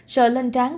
sợ lên tráng thấy đau